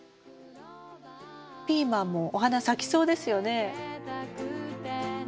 ピーマンもお花咲きそうですよね。